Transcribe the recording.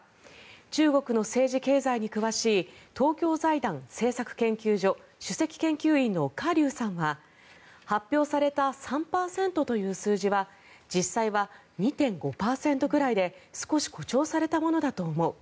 中国の政治経済に詳しい東京財団政策研究所主席研究員のカ・リュウさんは発表された３％という数字は実際は２．５％くらいで少し誇張されたものだと思う